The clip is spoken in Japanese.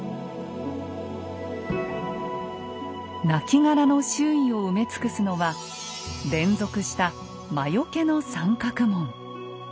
なきがらの周囲を埋め尽くすのは連続した魔よけの三角文。